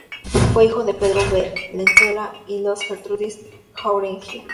Fue hijo de Pedro Valenzuela y de Gertrudis Jáuregui.